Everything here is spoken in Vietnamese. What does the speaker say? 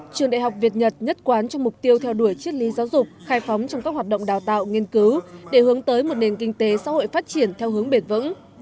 trường đại học việt nhật nhất quán trong mục tiêu theo đuổi triết lý giáo dục khai phóng trong các hoạt động đào tạo nghiên cứu để hướng tới một nền kinh tế xã hội phát triển theo hướng bền vững